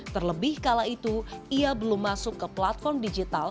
terlebih kala itu ia belum masuk ke platform digital